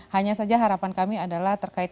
hanya saja harapan kami adalah terkait